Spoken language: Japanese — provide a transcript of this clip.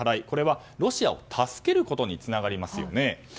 これはロシアを助けることにつながりますよね。